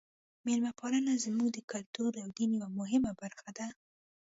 میلمه پالنه زموږ د کلتور او دین یوه مهمه برخه ده.